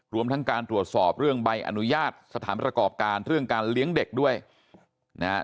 รวมทั้งการตรวจสอบเรื่องใบอนุญาตสถานประกอบการเรื่องการเลี้ยงเด็กด้วยนะฮะ